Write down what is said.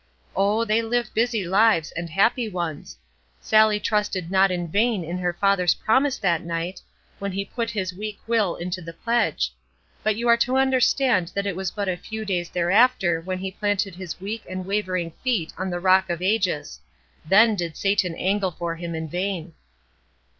Oh, they live busy lives, and happy ones. Sallie trusted not in vain in her father's promise that night, when he put his weak will into the pledge; but you are to understand that it was but a few days thereafter when he planted his weak and wavering feet on the Rock of Ages. Then did Satan angle for him in vain.